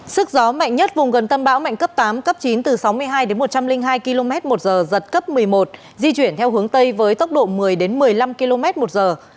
sức gió mạnh nhất vùng gần tâm bão mạnh cấp tám cấp chín từ sáu mươi hai đến một trăm linh hai km một giờ giật cấp một mươi một di chuyển theo hướng tây với tốc độ một mươi một mươi năm km một giờ